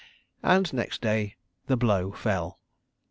... And next day The Blow fell!